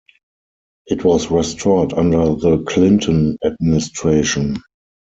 It was restored under the Clinton administration.